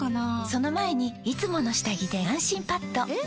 その前に「いつもの下着で安心パッド」え？！